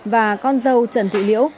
và con dâu trần thị liễu